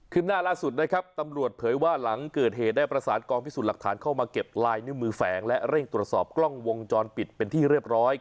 หน้าล่าสุดนะครับตำรวจเผยว่าหลังเกิดเหตุได้ประสานกองพิสูจน์หลักฐานเข้ามาเก็บลายนิ้วมือแฝงและเร่งตรวจสอบกล้องวงจรปิดเป็นที่เรียบร้อย